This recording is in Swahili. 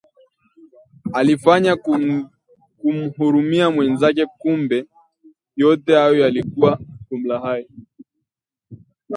Akajifanya kumuhurumia mwenzake kumbe yote hayo yalikuwa kumlaghai